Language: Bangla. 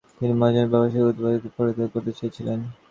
তিনি মহাজন ব্যবসাকে উৎপাদনে পরিণত করতে চেয়েছিলেন।